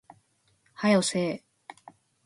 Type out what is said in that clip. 早よせえ